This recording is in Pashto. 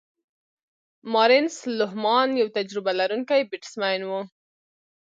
مارنس لوهمان یو تجربه لرونکی بیټسمېن وو.